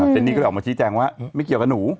เนนี่ก็เลยออกมาชี้แจงว่าไม่เกี่ยวกับหนู